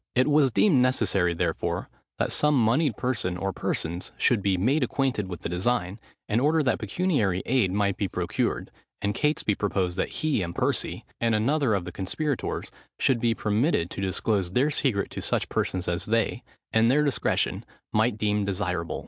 It was deemed necessary, therefore, that some monied person or persons should be made acquainted with the design, in order that pecuniary aid might be procured: and Catesby proposed that he and Percy, and another of the conspirators, should be permitted to disclose their secret to such persons as they, in their discretion, might deem desirable.